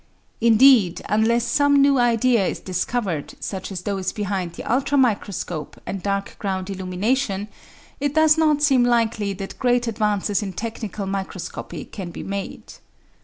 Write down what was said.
Indeed, unless some new idea is discovered, such as those behind the ultra microscope and dark ground illumination, it does not seem likely that great advances in technical microscopy can be made.